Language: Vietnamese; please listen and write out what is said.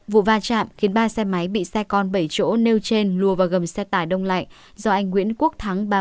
vụ va chạm khiến ba xe máy bị xe con bảy chỗ nêu trên lùa vào gầm xe tải đông lạnh do anh nguyễn quốc thắng